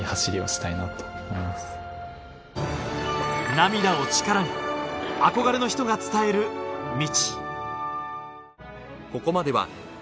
涙を力に憧れの人が伝える道